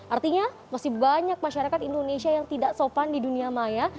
artinya masih banyak masyarakat indonesia yang tidak sopan di dunia maya